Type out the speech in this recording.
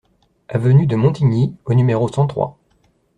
Avenue de Montigny au numéro cent trois